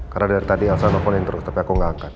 karena dari tadi elsa nelfonin turut tapi aku gak angkat